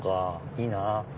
いいなあ。